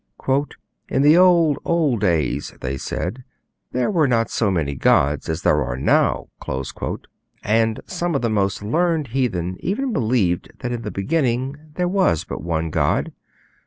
'In the old, old days,' they said, 'there were not so many gods as there are now'; and some of the most learned heathen even believed that in the beginning there was but one God.